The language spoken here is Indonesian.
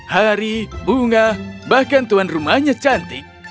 hari bunga bahkan tuan rumahnya cantik